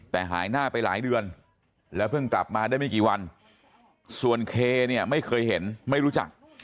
แต่หายหน้าไปหลายเดือนแล้วเพิ่งกลับมาได้ไม่กี่วันส่วนเคเนี่ยไม่เคยเห็นไม่รู้จัก